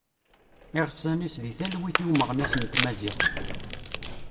Iɣsan-is deg talwit i umeɣnas n tmaziɣt.